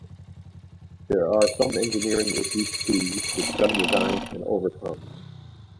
There are some engineering issues too, which some designs can overcome.